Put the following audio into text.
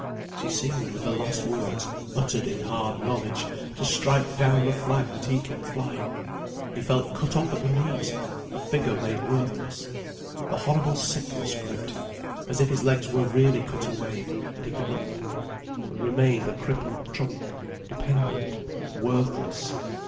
She seemed, with the last words, uttered in hard knowledge, to strike down the flag that he kept flying. He felt cut off at the knees, a figure made worthless. A horrible sickness gripped him, as if his legs were really cut away, and he could not move, but remained a crippled trunk, dependent, worthless.